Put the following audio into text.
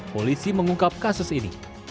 polisi mengungkap kasus ini